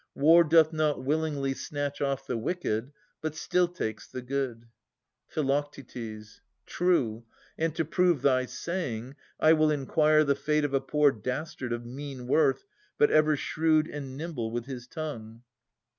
War doth not willingly Snatch off the wicked, but still takes the good. Phi. True ! and to prove thy saying, I will inquire The fate of a poor dastard, of mean worth. But ever shrewd and nimble with his tongue.